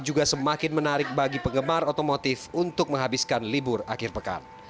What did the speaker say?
juga semakin menarik bagi penggemar otomotif untuk menghabiskan libur akhir pekan